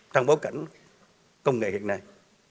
trong bối cảnh công nghệ hiện nay